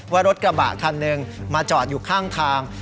ว่ารถกระบะคันหนึ่งมาจอดอยู่ข้างทาง